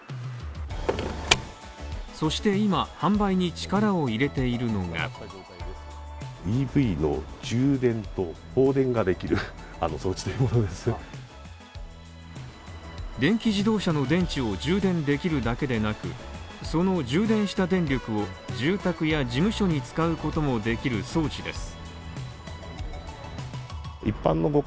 そして今、販売に力を入れているのが電気自動車の電池を充電できるだけでなく充電した電力を住宅や事務所に使うこともできる装置です。